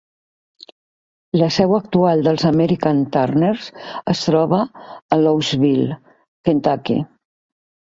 La seu actual dels American Turners es troba a Louisville, Kentucky.